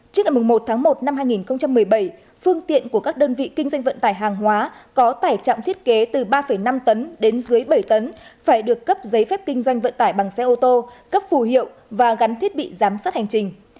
trước ngày một tháng một năm hai nghìn một mươi bảy phương tiện của các đơn vị kinh doanh vận tải hàng hóa có tải trọng thiết kế từ ba năm tấn đến dưới bảy tấn phải được cấp giấy phép kinh doanh vận tải bằng xe ô tô cấp phù hiệu và gắn thiết bị giám sát hành trình